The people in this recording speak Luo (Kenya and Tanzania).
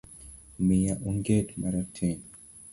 Miya onget marateng